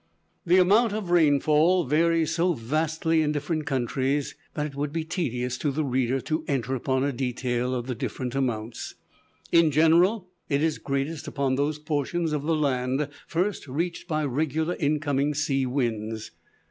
The amount of rainfall varies so vastly in different countries, that it would be tedious to the reader to enter upon a detail of the different amounts. In general it is greatest upon those portions of the land first reached by regular incoming sea winds.